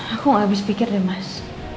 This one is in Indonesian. aku habis pikir deh mas